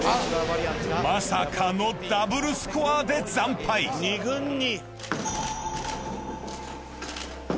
まさかのダブルスコアで２軍に。